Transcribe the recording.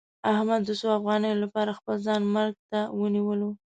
احمد د څو افغانیو لپاره خپل ځان مرګ ته ونیولو.